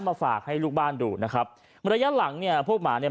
มาฝากให้ลูกบ้านดูนะครับระยะหลังเนี่ยพวกหมาเนี่ย